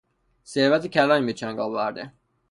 ثروت کلانی به چنگ آورده